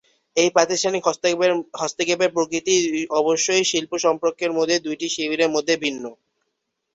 এই প্রাতিষ্ঠানিক হস্তক্ষেপের প্রকৃতি অবশ্য শিল্প সম্পর্কের মধ্যে দুটি শিবিরের মধ্যে ভিন্ন।